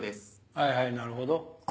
はいはいなるほど。